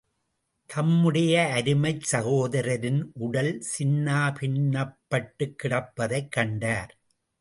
தம்முடைய அருமைச் சகோதரரின் உடல் சின்னாபின்னப்பட்டுக் கிடப்பதைக் கண்டார்.